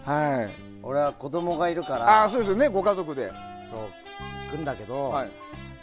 俺は子供がいるから行くんだけど。